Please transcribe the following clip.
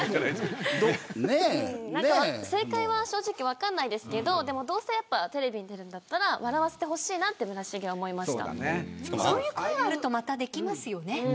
何か、正解は正直分からないですけどどうせ、やっぱりテレビに出るんだったら笑わせてほしいなってそういう声があるとまたできますよね